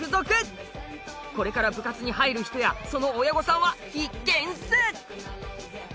これから部活に入る人やその親御さんは必見っす！